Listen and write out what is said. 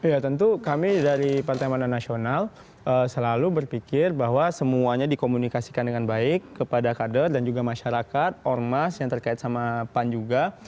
ya tentu kami dari partai mana nasional selalu berpikir bahwa semuanya dikomunikasikan dengan baik kepada kader dan juga masyarakat ormas yang terkait sama pan juga